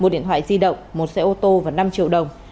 một điện thoại di động một xe ô tô và năm triệu đồng